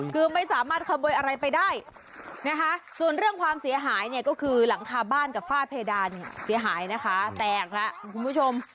คือไม่สามารถคำโบยอะไรไปได้ส่วนเรื่องความเสียหายก็คือหลังคาบ้านกับฝ้าเพดานเสียหายนะคะแตกละคุณผู้ชม